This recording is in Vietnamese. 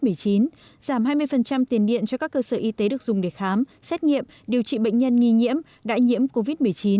giảm hai mươi tiền điện cho các cơ sở y tế được dùng để khám xét nghiệm điều trị bệnh nhân nghi nhiễm đại nhiễm covid một mươi chín